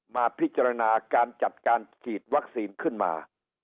มาพิจารณาการจัดการฉีดวัคซีนขึ้นมา